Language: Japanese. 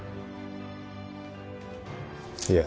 いや。